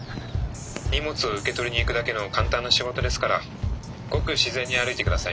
荷物を受け取りに行くだけの簡単な仕事ですからごく自然に歩いて下さいね。